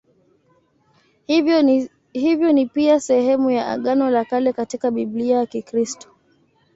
Hivyo ni pia sehemu ya Agano la Kale katika Biblia ya Kikristo.